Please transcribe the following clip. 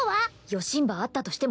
よしんばあったとしても